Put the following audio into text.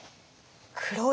黒い。